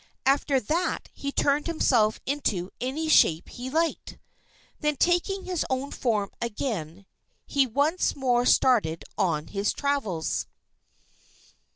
After that he turned himself into any shape he liked. Then taking his own form again, he once more started on his travels.